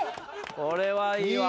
これはいいわ。